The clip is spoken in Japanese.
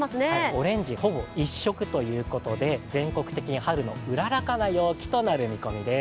オレンジ、ほぼ一色ということで全国的に春のうららかな陽気となる見込みです。